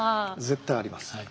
絶対あります。